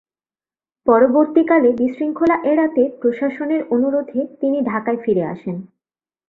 পরবর্তীকালে বিশৃঙ্খলা এড়াতে প্রশাসনের অনুরোধে তিনি ঢাকায় ফিরে আসেন।